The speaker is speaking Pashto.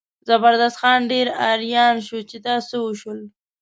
زبردست خان ډېر اریان شو چې دا څه وشول.